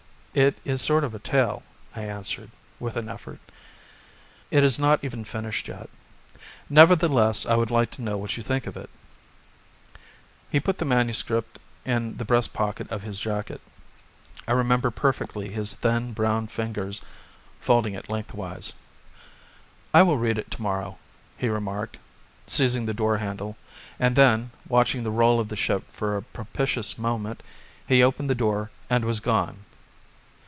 "It is a sort of tale," I answered with an effort. "It is not even finished yet. Nevertheless I would like to know what you think of it." He put the MS. in the breast pocket of his jacket; I remember perfectly his thin brown fingers folding it lengthwise. "I will read it tomorrow," he remarked, seizing the door handle, and then, watching the roll of the ship for a propitious moment, he opened the door and was gone.